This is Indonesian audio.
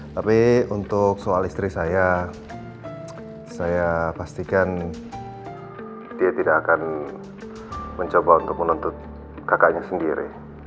tapi untuk soal istri saya saya pastikan dia tidak akan mencoba untuk menuntut kakaknya sendiri